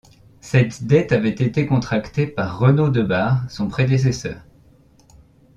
Cette dette avait été contracté par Renaud de Bar, son prédécesseur.